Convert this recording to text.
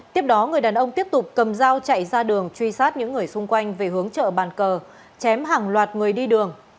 tiếp đó người đàn ông tiếp tục cầm dao chạy ra đường truy sát những người xung quanh về hướng chợ bàn cờ chém hàng loạt người đi đường